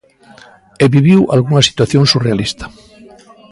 E viviu algunha situación surrealista.